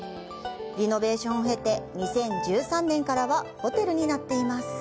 リノベーションを経て２０１３年からはホテルになっています。